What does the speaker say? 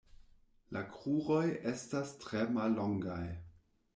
La kruroj estas tre mallongaj.